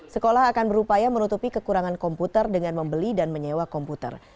sekolah akan berupaya menutupi kekurangan komputer dengan membeli dan menyewa komputer